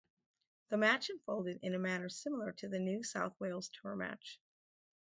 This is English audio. The match unfolded in a manner similar to the New South Wales tour match.